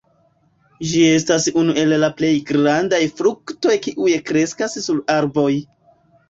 Ĝi estas unu el la plej grandaj fruktoj kiuj kreskas sur arboj.